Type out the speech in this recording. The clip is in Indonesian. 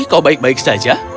kau baik baik saja